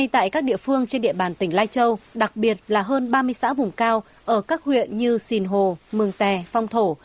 tại các địa phương trên địa bàn tỉnh lai châu đặc biệt là hơn ba mươi xã vùng cao ở các huyện như sìn hồ mường tè phong thổ